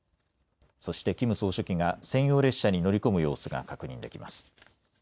そしてキム総書記が専用列車に乗り込む様子が確認できます。